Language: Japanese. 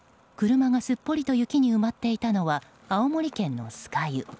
車がすっぽりと雪に埋まっていたのは青森県の酸ヶ湯。